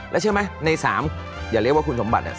แล้วเชื่อไหมใน๓อย่าเรียกว่าคุณสมบัติเนี่ย